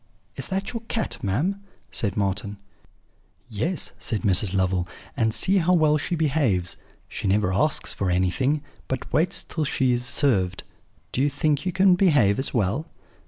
"'Is that your cat, ma'am?' said Marten. "'Yes,' said Mrs. Lovel; 'and see how well she behaves: she never asks for anything, but waits till she is served. Do you think you can behave as well?'